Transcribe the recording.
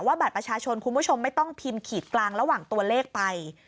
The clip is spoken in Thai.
บัตรประชาชนคุณผู้ชมไม่ต้องพิมพ์ขีดกลางระหว่างตัวเลขไป